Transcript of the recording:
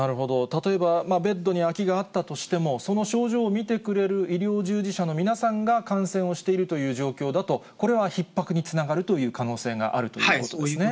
例えばベッドに空きがあったとしても、その症状を診てくれる医療従事者の皆さんが感染をしているという状況だと、これはひっ迫につながる可能性があるということですね。